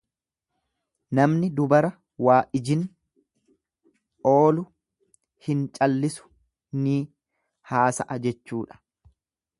Namni dubara waijin oolu hin callisu, ni haasa'a jechuudha.